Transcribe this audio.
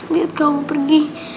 lihat kamu pergi